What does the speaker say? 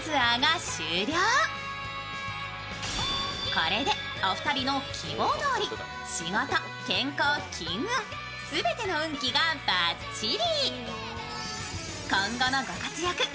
これでお二人の希望どおり仕事、健康、金運すべての運気がバッチリ。